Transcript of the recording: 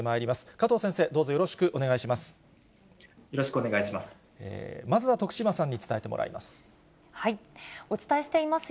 加藤先生、どうぞよろしくお願いよろしくお願いします。